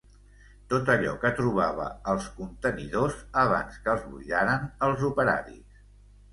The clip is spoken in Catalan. Tot allò que trobava als contenidors abans que els buidaren els operaris.